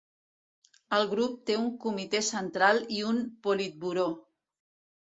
El grup té un Comitè Central i un Politburó.